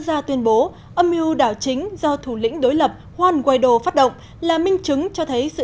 ra tuyên bố âm mưu đảo chính do thủ lĩnh đối lập juan guaido phát động là minh chứng cho thấy sự